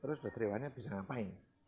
terus berperiwanya bisa ngapain